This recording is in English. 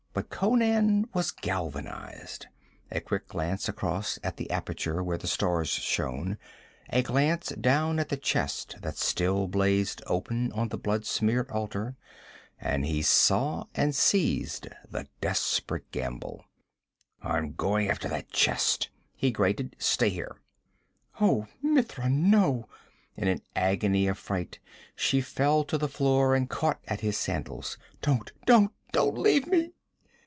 But Conan was galvanized. A quick glance across at the aperture where the stars shone, a glance down at the chest that still blazed open on the blood smeared altar, and he saw and seized the desperate gamble. 'I'm going after that chest!' he grated. 'Stay here!' 'Oh, Mitra, no!' In an agony of fright she fell to the floor and caught at his sandals. 'Don't! Don't! Don't leave me!'